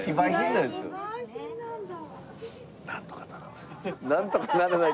「なんとかならない？」